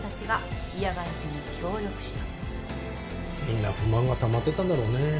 みんな不満がたまってたんだろうね。